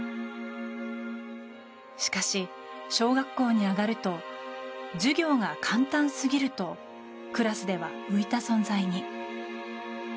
しかし、小学校に上がると授業が簡単すぎるとクラスでは浮いた存在に。